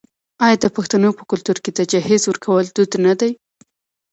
آیا د پښتنو په کلتور کې د جهیز ورکول دود نه دی؟